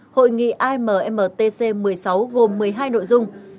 hội nghị ammtc một mươi sáu gồm một mươi hai nội dung